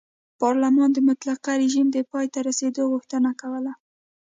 پارلمان د مطلقه رژیم د پای ته رسېدو غوښتنه کوله.